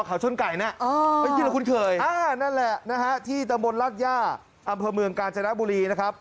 อ้าวนั่นแหละที่ตำรวจรัฐญาอำเภอเมืองกาญจนกบุรีนะครับ